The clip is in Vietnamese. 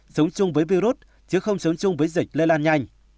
sống chung với virus chứ không sống chung với dịch lây lan nhanh